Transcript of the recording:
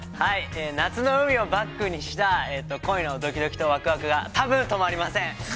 ◆夏の海をバックにした、恋のどきどきとわくわくが、多分止まりません。